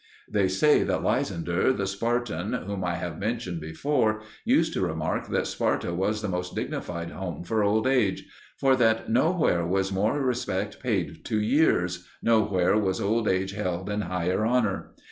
They say that Lysander the Spartan, whom I have mentioned before, used to remark that Sparta was the most dignified home for old age; for that nowhere was more respect paid to years, no where was old age held in higher honour.